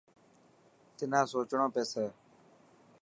تنان سوچڻو پيسي.